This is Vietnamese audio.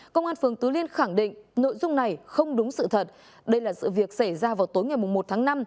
công an tp hcm khẳng định nội dung này không đúng sự thật đây là sự việc xảy ra vào tối ngày một tháng năm